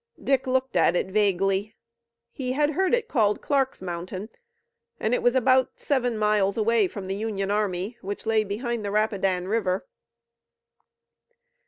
Dick looked at it vaguely. He had heard it called Clark's Mountain, and it was about seven miles away from the Union army which lay behind the Rapidan River.